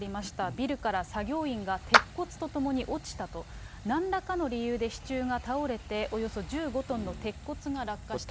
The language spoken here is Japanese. ビルから作業員が鉄骨とともに落ちたと、なんらかの理由で支柱が倒れて、およそ１５トンの鉄骨が落下したと。